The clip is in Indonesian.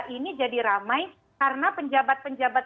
ini jadi ramai karena penjabat penjabat